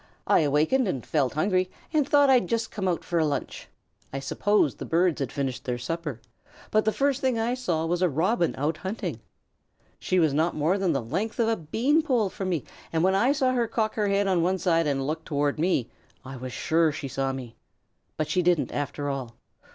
I awakened and felt hungry, and thought I'd just come out for a lunch. I supposed the birds had finished their supper, but the first thing I saw was a Robin out hunting. She was not more than the length of a bean pole from me, and when I saw her cock her head on one side and look toward me, I was sure she saw me. But she didn't, after all.